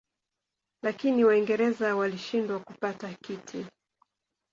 Lakini Waingereza walishindwa kupata kiti.